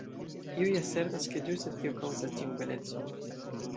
Iuj asertas, ke ĝuste tio kaŭzas ĝian belecon.